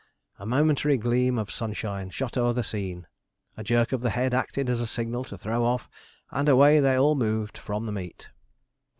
A momentary gleam of sunshine shot o'er the scene; a jerk of the head acted as a signal to throw off, and away they all moved from the meet.